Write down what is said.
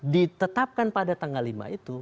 ditetapkan pada tanggal lima itu